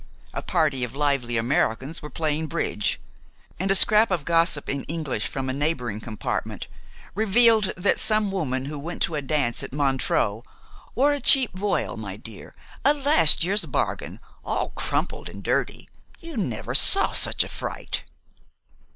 A party of lively Americans were playing bridge, and a scrap of gossip in English from a neighboring compartment revealed that some woman who went to a dance at Montreux, "wore a cheap voile, my dear, a last year's bargain, all crumpled and dirty. You never saw such a fright!"